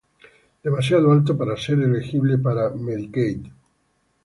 Demasiado alto para ser elegible para Medicaid